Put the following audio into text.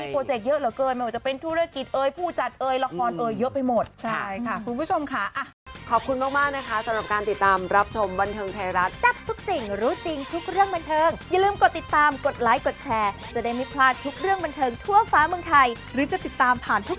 เพราะว่ามีโปรเจกต์เยอะเหลือเกินไม่ว่าจะเป็นธุรกิจเอ๋ยผู้จัดเอ๋ยละครเอ๋ยเยอะไปหมด